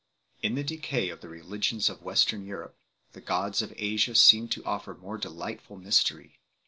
In the decay of the religions of western Europe, the gods of Asia seemed to offer more delightful mystery.